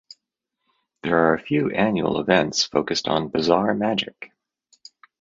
There are a few annual events focused on Bizarre Magic.